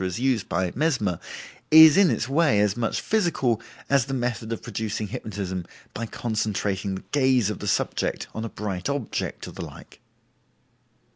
as used by Mesmer, is in its way as much physical as the method of producing hypnotism by concentrating the gaze of the subject on a bright object, or the like.